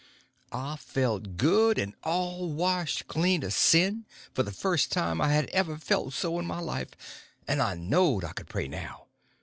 _ I felt good and all washed clean of sin for the first time I had ever felt so in my life, and I knowed I could pray now.